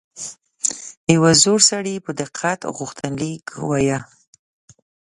یو زوړ سړي په دقت غوښتنلیک وایه.